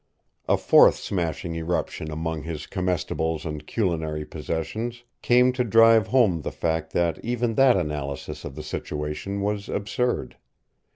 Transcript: A fourth smashing eruption among his comestibles and culinary possessions came to drive home the fact that even that analysis of the situation was absurd.